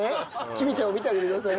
きみちゃんを見てあげてください。